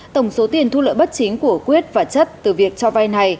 tổng số tiền thu lợi bất chính của quyết và chất từ việc cho vay này